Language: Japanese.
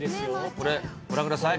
これ、ご覧ください。